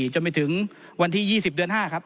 จนไปถึงวันที่๒๐เดือน๕ครับ